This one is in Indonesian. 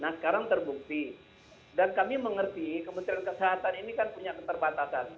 nah sekarang terbukti dan kami mengerti kementerian kesehatan ini kan punya keterbatasan